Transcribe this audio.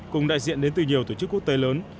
cùng đại diện đến từ nhiều tổ chức quốc tế lớn